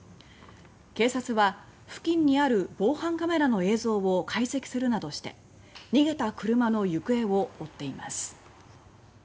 警察は付近にある防犯カメラの映像を解析するなどして逃げた車の行方を追っています。